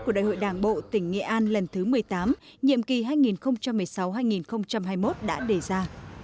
của đại hội đảng bộ tỉnh nghệ an lần thứ một mươi tám nhiệm kỳ hai nghìn một mươi sáu hai nghìn hai mươi một đã đề ra